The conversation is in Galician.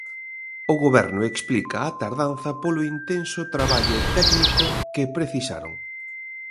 O Goberno explica a tardanza polo intenso traballo técnico que precisaron.